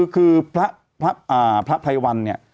คือพระไพรวัลเนี่ย